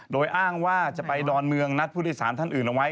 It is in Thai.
โดยอ้างว่าจะไปดอนเมืองนัดผู้โดยสารท่านอื่นเอาไว้